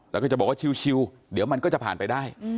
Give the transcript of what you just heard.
แล้วก็จะบอกว่าชิวเดี๋ยวมันก็จะผ่านไปได้